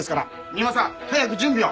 三馬さん早く準備を！